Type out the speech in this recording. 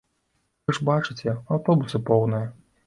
Вы ж бачыце, аўтобусы поўныя.